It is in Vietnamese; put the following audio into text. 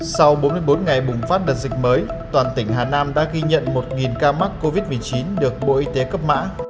sau bốn mươi bốn ngày bùng phát đợt dịch mới toàn tỉnh hà nam đã ghi nhận một ca mắc covid một mươi chín được bộ y tế cấp mã